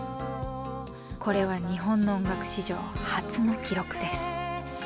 これは日本の音楽史上初の記録です。